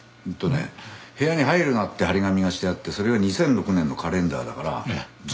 うんとね部屋に「入るな」って貼り紙がしてあってそれが２００６年のカレンダーだから。